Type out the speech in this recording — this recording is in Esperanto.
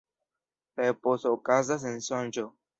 La eposo okazas en sonĝo.